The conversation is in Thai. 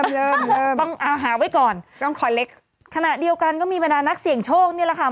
เริ่มต้องอาหารไว้ก่อนขณะเดียวกันก็มีบรรดานักเสี่ยงโชคนี่แหละค่ะ